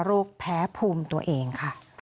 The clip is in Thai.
แพ้ภูมิตัวเองค่ะ